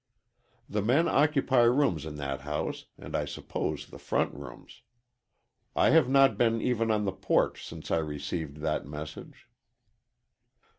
The men occupy rooms in that house and I suppose the front rooms. I have not been even on the porch since I received that message."